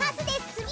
つぎ！